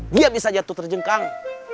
dia bisa jatuh terjengkang